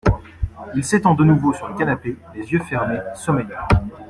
Il s’étend de nouveau sur le canapé, les yeux fermés, sommeillant.